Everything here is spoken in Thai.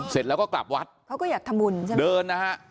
เสร็จแล้วก็กลับวัดเขาก็อยากทำบุญ